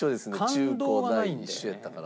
中高大一緒やったから。